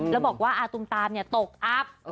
แล้วบอกว่าอาตุมตามตกอัพ